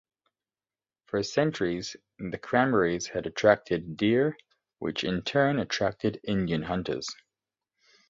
For centuries, the cranberries had attracted deer, which in turn attracted Indian hunters.